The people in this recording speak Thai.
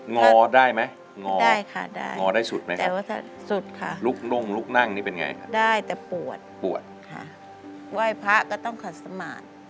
งอได้ไหมงอได้สุดไหมครับลุกนุ่งลุกนั่งนี่เป็นไงครับปวดไหว้พระก็ต้องขัดสมาธิ